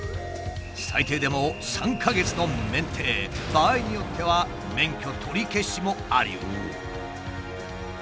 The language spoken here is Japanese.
最低でも３か月の免停場合によっては免許取り消しもありうる。